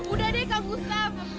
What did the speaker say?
udah deh kang gustaf